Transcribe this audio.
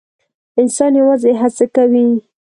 انسان یوازې هڅه کوي